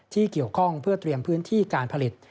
ที่เกี่ยวข้องเพื่อเตรียมพื้นที่การผลิต